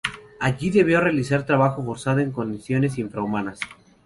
Allí, debió realizar trabajo forzado en condiciones infrahumanas.